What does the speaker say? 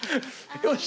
よし！